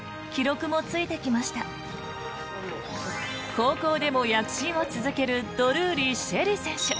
高校でも躍進を続けるドルーリー朱瑛里選手。